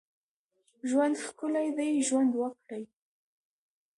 ژوند ښکلی دی ، ژوند وکړئ